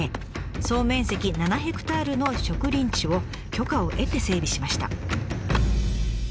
総面積７ヘクタールの植林地を許可を得て整備しました。